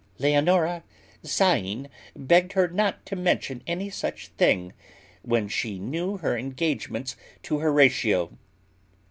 Leonora, sighing, begged her not to mention any such thing, when she knew her engagements to Horatio.